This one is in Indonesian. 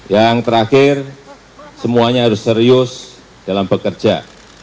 yang terakhir semuanya harus serius dalam bekerja